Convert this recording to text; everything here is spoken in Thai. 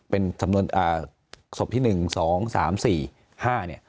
เป็นสำนวนอ่าศพที่หนึ่งสองสามสี่ห้าเนี้ย